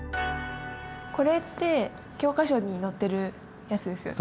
これって教科書に載ってるやつですよね。